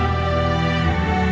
dia berusia lima belas tahun